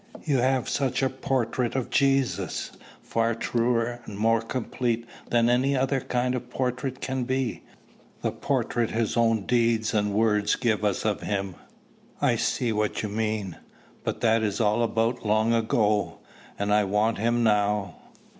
You have such a portrait of Jesus, far truer and more complete than any other kind of portrait can be, the portrait his own deeds and words give us of him." "I see what you mean; but that is all about long ago, and I want him now.